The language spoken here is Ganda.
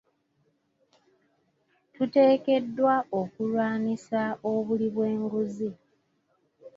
Tuteekeddwa okulwanisa obuli bw'enguzi.